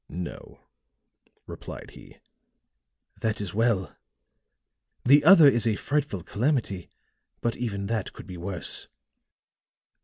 "No," replied he. "That is well! The other is a frightful calamity, but even that could be worse."